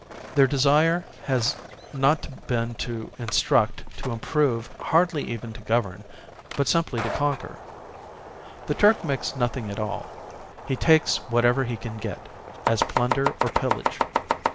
Their desire has not been to instruct, to improve, hardly even to govern, but simply to conquer.... The Turk makes nothing at all; he takes whatever he can get, as plunder or pillage.